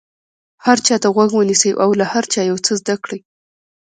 هر چا ته غوږ ونیسئ او له هر چا یو څه زده کړئ.